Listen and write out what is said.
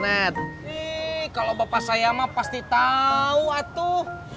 nih kalau bapak sayama pasti tahu atuh